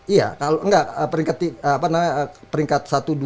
iya kalau enggak peringkat